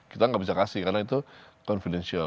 kita nggak bisa kasih karena itu confidential